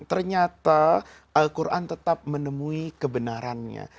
ternyata al quran tetap menemui kebenarannya